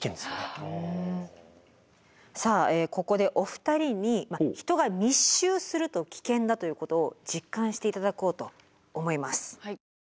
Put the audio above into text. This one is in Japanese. さあここでお二人に人が密集すると危険だということを実感していただこうと思います。